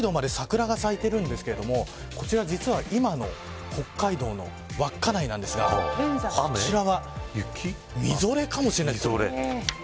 北海道で桜が咲いているんですがこちら実は今の北海道の稚内なんですがこちらはみぞれかもしれません。